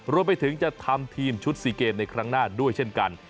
รวมไปถึงจะทำทีมชุด๔เกมในครั้งหน้าด้วยเช่นกัน